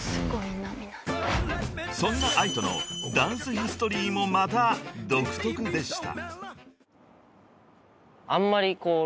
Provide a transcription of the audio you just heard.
［そんなＡＩＴＯのダンスヒストリーもまた独特でした］